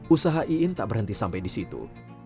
usaha iin tak berhenti sampai di situ